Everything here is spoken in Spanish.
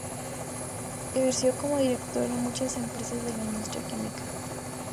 Ejerció como Director de muchas empresas de la industria química.